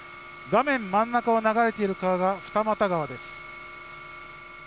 画面真ん中を流れている川が二俣川です。